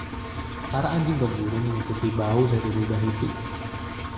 Para anjing pemburu mengikuti bau dari rubah itu.